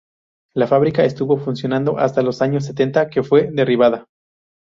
La fábrica estuvo funcionando hasta los años sesenta que fue derribada.